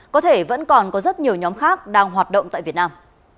có thể vẫn còn có rất nhiều nhóm khác đang hoạt động tại việt nam